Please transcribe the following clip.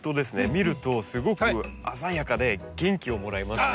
見るとすごく鮮やかで元気をもらえますね。